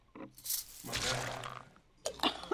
Μακάρι!